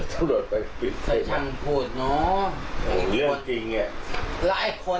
คงผิดครับผมก็ผมก็ตอนครั้งผมอีเหียมีคนไปฝูก